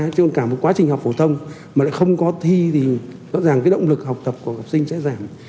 chứ còn cả một quá trình học phổ thông mà lại không có thi thì rõ ràng cái động lực học tập của học sinh sẽ giảm